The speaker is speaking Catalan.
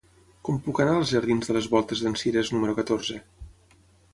Com puc anar als jardins de les Voltes d'en Cirés número catorze?